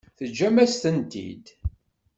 Teǧǧam-as-tent-id.